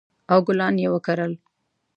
او ګلان یې وکرل